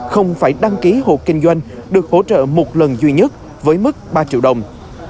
không phải đăng ký hộp kinh doanh được hỗ trợ một lần duy nhất với mức ba triệu đồng